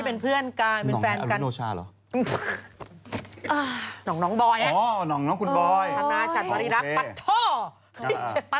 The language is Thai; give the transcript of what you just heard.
พรรณาชัดบริรับธ์ว่ะ